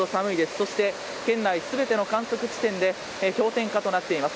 そして、県内全ての観測地点で氷点下となっています。